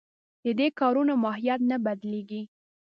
د دې کارونو ماهیت نه بدلېږي.